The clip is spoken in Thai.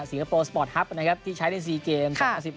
สิงคโปร์สปอร์ทฮัพท์นะครับที่ใช้ในสี่เกม๓๕